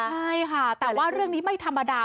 ใช่ค่ะแต่ว่าเรื่องนี้ไม่ธรรมดา